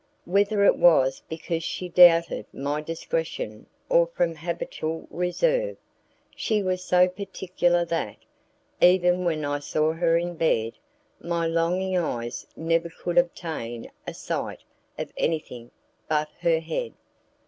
Whether it was because she doubted my discretion or from habitual reserve, she was so particular that, even when I saw her in bed, my longing eyes never could obtain a sight of anything but her head.